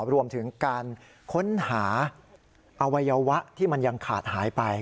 รวมถึงการค้นหาอวัยวะที่มันยังขาดหายไป